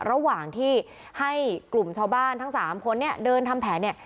ระหว่างที่ให้กลุ่มชาวบ้านทั้งสามคนเนี่ยเดินทำแผนเนี่ย